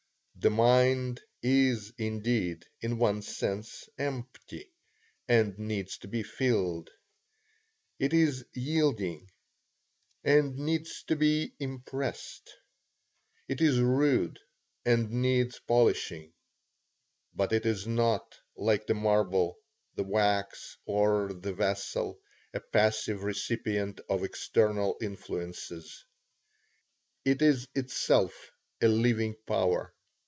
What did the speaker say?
The mind is, indeed, in one sense, empty, and needs to be filled. It is yielding, and needs to be impressed. It is rude, and needs polishing. But it is not, like the marble, the wax, or the vessel, a passive recipient of external influences. It is itself a living power.